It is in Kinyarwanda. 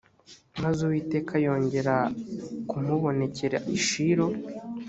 maze uwiteka yongera kumubonekerera i shilo